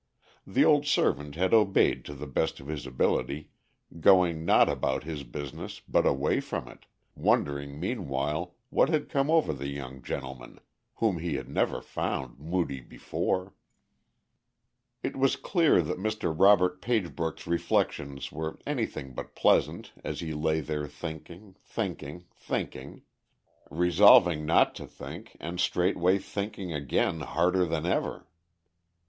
The old servant had obeyed to the best of his ability, going not about his business but away from it, wondering meanwhile what had come over the young gentleman, whom he had never found moody before. [Illustration: "MR. ROBERT PAGEBROOK WAS 'BLUE.'"] It was clear that Mr. Robert Pagebrook's reflections were anything but pleasant as he lay there thinking, thinking, thinking resolving not to think and straightway thinking again harder than ever.